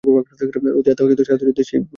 রথী আত্মা ও সারথি বুদ্ধি সেই রথে বসে আছেন।